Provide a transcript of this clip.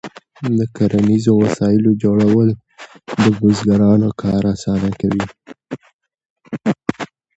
د کرنیزو وسایلو جوړول د بزګرانو کار اسانه کوي.